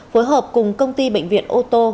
phối hợp cùng công ty bệnh viện ô tô